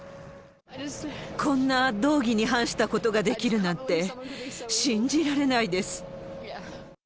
こんな道義に反したことができるなんて、信じられないです。